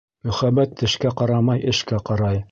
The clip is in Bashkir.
Мөхәббәт тешкә ҡарамай, эшкә ҡарай.